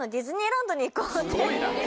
すごいな！